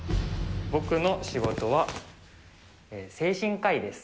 僕の仕事は精神科医です。